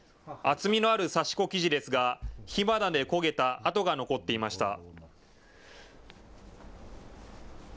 厚みのある刺し子生地ですが火花で焦げた跡が残っていました。